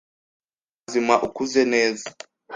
Umuntu muzima ukuze neza